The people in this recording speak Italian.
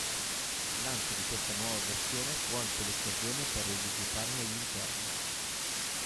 Il lancio di questa nuova versione fu anche l'occasione per rivisitare gli interni.